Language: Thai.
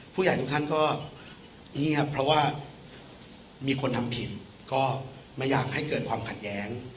ผู้ใหญ่ทุกท่านก็เงียบเพราะว่ามีคนทำผิดก็ไม่อยากให้เกิดความขัดแย้ง